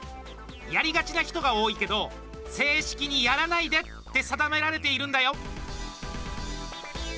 やりがちな人が多いけど正式に、やらないでって定められているんだよ！